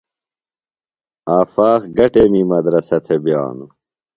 آفاق گہ ٹیمی مدرسہ تھےۡ بِیانوۡ؟